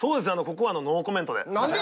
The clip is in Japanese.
ここはノーコメントで。